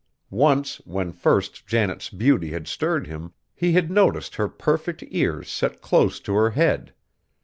Once, when first Janet's beauty had stirred him, he had noticed her perfect ears set close to her head.